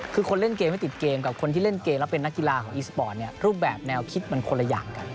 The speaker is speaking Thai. คือคนเล่นเกมไม่ติดเกมกับคนที่เล่นเกมแล้วเป็นนักกีฬาของอีสปอร์ตเนี่ยรูปแบบแนวคิดมันคนละอย่างกัน